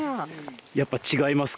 やっぱ違いますか？